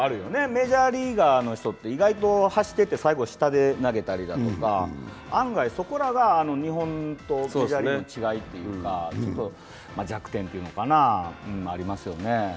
メジャーリーガーの人って、走ってって最後、下で投げたりとか案外、そこらが日本とメジャーリーグの違いというか弱点というのかな、ありますよね。